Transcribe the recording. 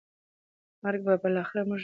مرګ به بالاخره موږ دواړه سره جلا کړي